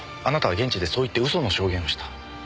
あなたは現地でそう言って嘘の証言をした。